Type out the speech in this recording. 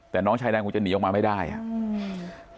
แต่น้องชายแดงคงจะหนีออกมาไม่ได้อ่ะอืม